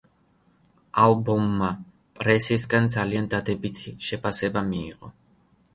ალბომმა პრესისგან ძალიან დადებითი შეფასება მიიღო.